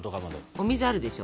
お水あるでしょ？